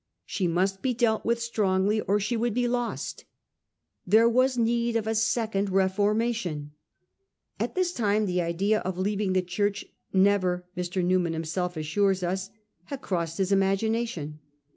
She must be dealt with strongly or she would be lost. There was need of a second Reforma tion.' At this time the idea of leaving the Church, never, Dr. Newman himself assures us, had crossed his imagination.